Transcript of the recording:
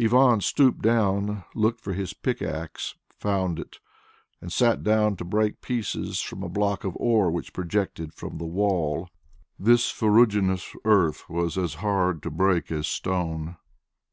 Ivan stooped down, looked for his pickaxe, found it, and sat down to break pieces from a block of ore which projected from the wall. This ferruginous earth was as hard to break as stone.